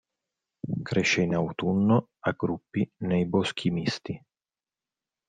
Cresce in autunno, a gruppi nei boschi misti.